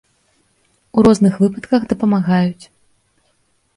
У розных выпадках дапамагаюць.